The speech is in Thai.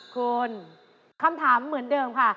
คุณคำถามเหมือนเดิมค่ะ